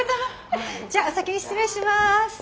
じゃお先に失礼します。